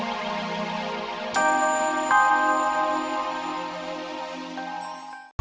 bicara tentang taruhan